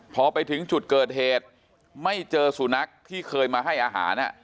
พอไปถึงจุดเกิดเหตุไม่เจอสุนัขที่เคยมาให้อาหาร